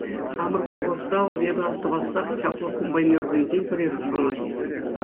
Хамӑр колхозра вӑл эпӗ астӑвассах чаплӑ комбайнерсенчен пӗри шутланать.